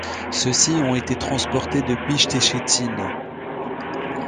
Ceux-ci ont été transportés depuis Szczecin.